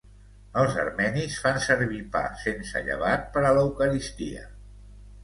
Els armenis fan servir pa sense llevat per a l'Eucaristia.